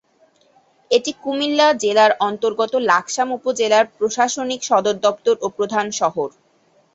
এটি কুমিল্লা জেলার অন্তর্গত লাকসাম উপজেলার প্রশাসনিক সদরদপ্তর ও প্রধান শহর।